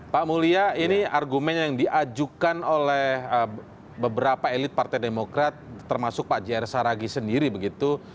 pak mulya ini argumen yang diajukan oleh beberapa elit partai demokrat termasuk pak jr saragi sendiri begitu